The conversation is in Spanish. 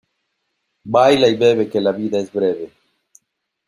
Baila y bebe, que la vida es breve.